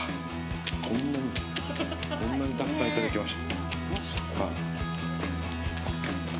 こんなにたくさんいただきました。